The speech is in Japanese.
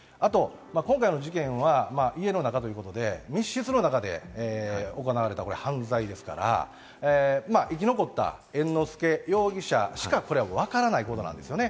あと今回の事件は家の中ということで、密室の中で行われた犯罪ですから、生き残った猿之助容疑者しかわからないことなんですよね。